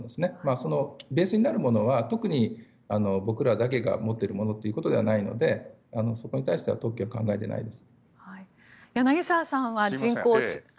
そのベースになるものは特に僕らだけが持っているものということではないのでそこに対しては特許は考えていないです。